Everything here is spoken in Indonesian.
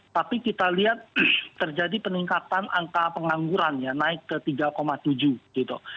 tapi kita lihat terjadi peningkatan angka pengangguran ya naik ke tiga tujuh gitu